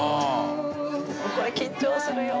これ緊張するよ。